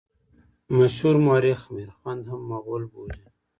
مشهور مورخ میرخوند هم مغول بولي.